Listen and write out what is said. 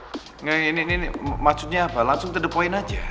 ini ini ini maksudnya apa langsung telah di depoin aja